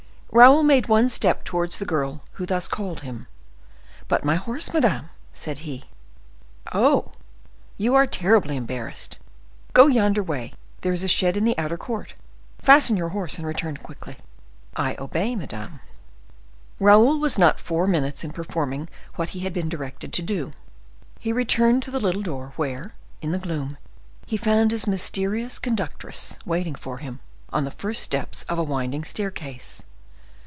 Raoul made one step towards the girl who thus called him. "But my horse, madame?" said he. "Oh! you are terribly embarrassed! Go yonder way—there is a shed in the outer court: fasten your horse, and return quickly!" "I obey, madame." Raoul was not four minutes in performing what he had been directed to do; he returned to the little door, where, in the gloom, he found his mysterious conductress waiting for him, on the first steps of a winding staircase.